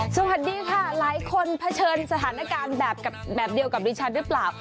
สวัสดีค่ะหลายคนเผชิญสถานการณ์แบบเดียวกับดิฉันหรือเปล่า